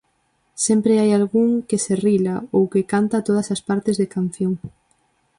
Sempre hai algún que se rila ou que canta todas as partes de canción.